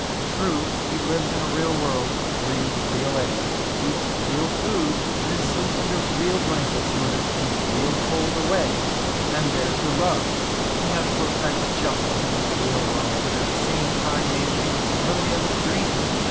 True, he lives in a real world, breathes real air, eats real food, and sleeps under real blankets, in order to keep real cold away. And there's the rub. He has to effect adjustments with the real world and at the same time maintain the sublimity of his dream.